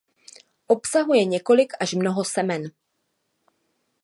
Obsahuje několik až mnoho semen.